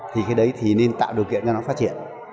thì cái đấy thì nên tạo điều kiện cho nó phát triển